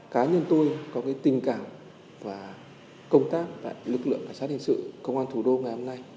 cá nhân tôi có tình cảm và công tác tại lực lượng cảnh sát hình sự công an thủ đô ngày hôm nay